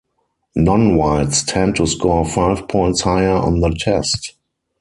Non-whites tend to score five points higher on the test.